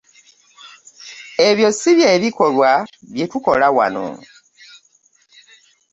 Ebyo si bye bikolwa bitukola wano.